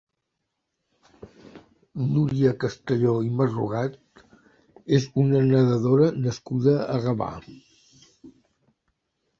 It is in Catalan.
Núria Castelló i Marrugat és una nedadora nascuda a Gavà.